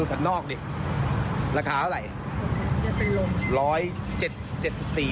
แต่นอกดิราคาเท่าไหร่